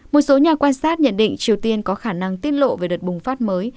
một số nhà quan sát nhận định triều tiên có khả năng tiết lộ về đợt bùng phát mới